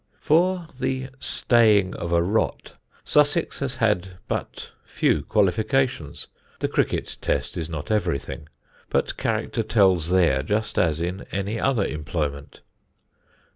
For the "staying of a rot" Sussex has had but few qualifications. The cricket test is not everything: but character tells there just as in any other employment.